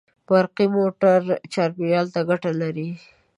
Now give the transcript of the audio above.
برقي موټر چاپېریال ته ګټه لري.